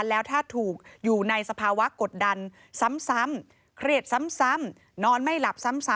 แล้วถ้าถูกอยู่ในสภาวะกดดันซ้ำเครียดซ้ำนอนไม่หลับซ้ำ